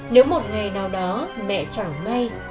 nếu một ngày nào đó mẹ chẳng may